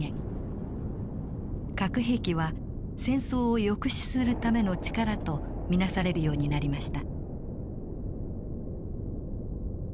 核兵器は戦争を抑止するための力と見なされるようになりました。